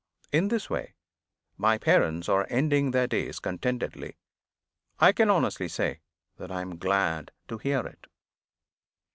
In this way, my parents are ending their days contentedly. I can honestly say that I am glad to hear it.